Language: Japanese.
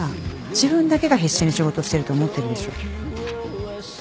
自分だけが必死に仕事してると思ってるでしょ？